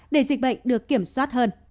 để dịch bệnh được kiểm soát hơn